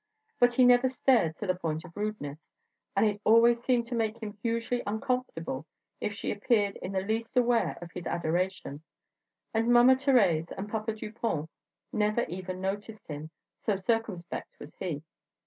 But he never stared to the point of rudeness, and it always seemed to make him hugely uncomfortable if she appeared in the least aware of his adoration; and Mama Thérèse and Papa Dupont never even noticed him, so circumspect was he.